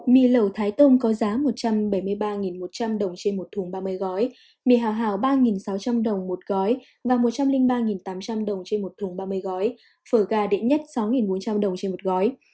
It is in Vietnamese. mì lẩu thái tôm có giá một trăm bảy mươi ba một trăm linh đồng trên một thùng ba mươi gói mì hào ba sáu trăm linh đồng một gói và một trăm linh ba tám trăm linh đồng trên một thùng ba mươi gói phở gà đệ nhất sáu bốn trăm linh đồng trên một gói